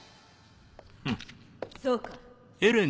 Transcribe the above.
そうか。